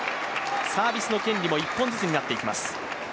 サービスの権利も１本ずつになっていきます。